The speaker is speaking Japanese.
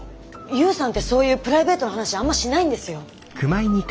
勇さんってそういうプライベートの話あんましないんですよ。